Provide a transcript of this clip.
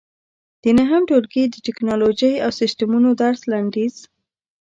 د نهم ټولګي د ټېکنالوجۍ او سیسټمونو درس لنډیز